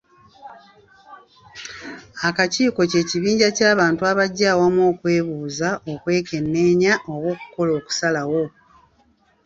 Akakiiko kye kibinja ky'abantu abajja awamu okwebuuza, okwekenneenya oba okukola okusalawo.